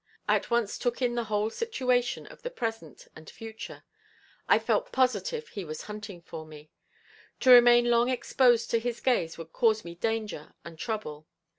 I at once took in the whole situation of the present and future. I felt positive he was hunting for me. To remain long exposed to his gaze would cause me danger and trouble.